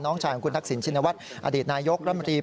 ชายของคุณทักษิณชินวัฒน์อดีตนายกรัฐมนตรี